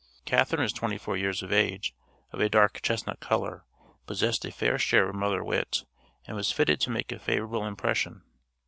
Catharine was twenty four years of age, of a dark chestnut color, possessed a fair share of mother wit, and was fitted to make a favorable impression.